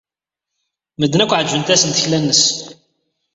Medden akk ɛejbent-asen tekla-nnes.